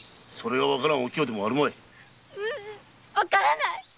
ううんわからない！